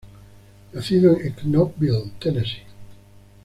Nacido en Knoxville, Tennessee.